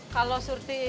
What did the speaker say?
kalau surti ikut tuhan